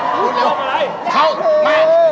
พูดเร็วพูดเร็ว